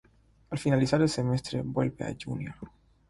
Al finalizar el semestre vuelve a Junior.